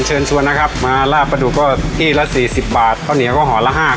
เชิญซ่วนนะครับมาราปะดูกก็พี่ละสี่สิบบาทของเหนียวก็ห่อละห้า